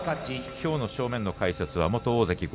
きょうの正面の解説は元大関豪